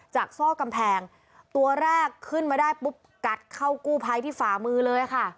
ซ่อกำแพงตัวแรกขึ้นมาได้ปุ๊บกัดเข้ากู้ภัยที่ฝ่ามือเลยค่ะ